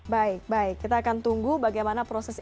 baik baik kita akan tunggu bagaimana proses